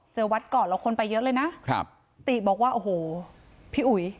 วัดก่อนแล้วคนไปเยอะเลยนะครับติบอกว่าโอ้โหพี่อุ๋ย